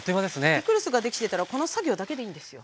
ピクルスができてたらこの作業だけでいいんですよ。